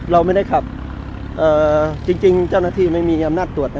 เราไม่ได้ขับเอ๋อจริงจริงจะนักยันไว้มีอำนาจตรวจนะ